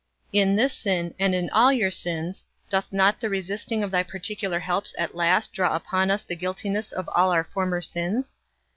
In this sin, and in all your sins, doth not the resisting of thy particular helps at last draw upon us the guiltiness of all our former sins?